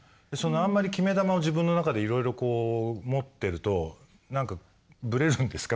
あんまり決め球を自分の中でいろいろこう持ってるとなんかぶれるんですか？